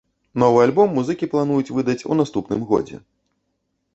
Новы альбом музыкі плануюць выдаць у наступным годзе.